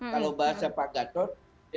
kalau bahasa pak gatot